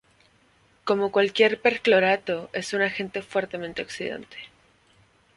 Como cualquier perclorato, es un agente fuertemente oxidante.